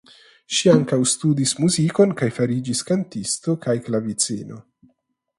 Ŝi ankaŭ studis muzikon kaj fariĝis kantisto kaj klaviceno.